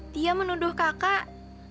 dia menuduh kakak